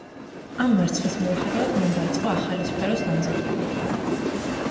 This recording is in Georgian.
ამ მარცხის მიუხედავად მან დაიწყო ახალი სფეროს დამზადება.